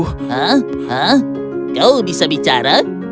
hah kau bisa bicara